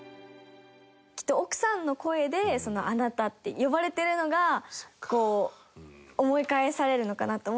きっと奥さんの声で「アナタ」って呼ばれてるのが思い返されるのかなと思って。